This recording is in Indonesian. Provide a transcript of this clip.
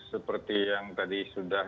seperti yang tadi sudah